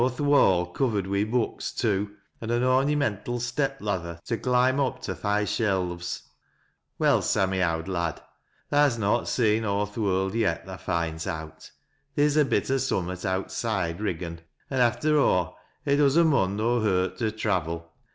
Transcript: Aw th' wall covered wi' books too, an' a ornymental step lather tc olimb up to th' high shelves. Well, Sammy, owd lad tha's not seen aw th' world yet, tha finds out. Theer's ii bit o' summat outside Kiggan. After aw, it does a mor Qo hurt to trayel.